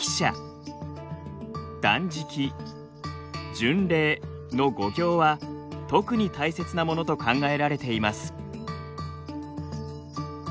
中でもの五行は特に大切なものと考えられています。